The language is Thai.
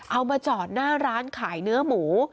เอามาจอดหน้าร้านขายเนื้อหมู